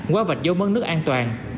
quá vạch dấu mất nước an toàn